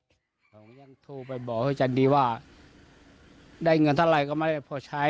จะอย่างทั่วไปบอกให้อาทารณีว่าได้เงินเท่าไหร่ก็ไม่ได้พอใช้